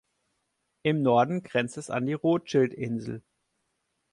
Im Norden grenzt es an die Rothschild-Insel.